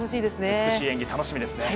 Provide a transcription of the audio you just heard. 美しい演技、楽しみですね。